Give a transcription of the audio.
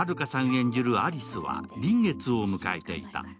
演じる有栖は臨月を迎えていた。